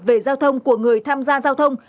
về giao thông của người tham gia giao thông